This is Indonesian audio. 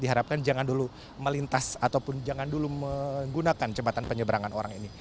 diharapkan jangan dulu melintas ataupun jangan dulu menggunakan jembatan penyeberangan orang ini